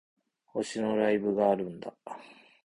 推しのライブがあるんだ